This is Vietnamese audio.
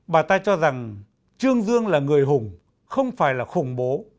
bà ta cho rằng trương dương là người hùng không phải là khủng bố